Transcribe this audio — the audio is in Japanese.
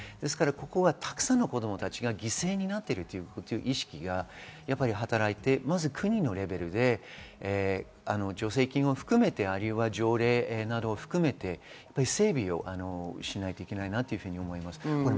たくさんの子供たちが犠牲になっているという意識が働いて国のレベルで助成金を含めて条例などを含めて整備をしないといけないと思います。